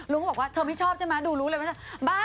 ลุงก็บอกว่าเธอไม่ชอบใช่มั้ยดูรู้เลยว่า